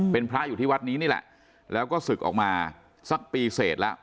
เป็นพระอยู่ที่วัดนี้นี่แหละแล้วก็ศึกออกมาสักปีเสร็จแล้ว